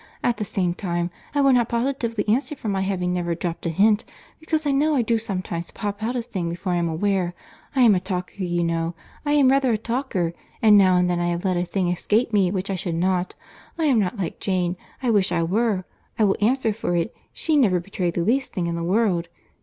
At the same time, I will not positively answer for my having never dropt a hint, because I know I do sometimes pop out a thing before I am aware. I am a talker, you know; I am rather a talker; and now and then I have let a thing escape me which I should not. I am not like Jane; I wish I were. I will answer for it she never betrayed the least thing in the world.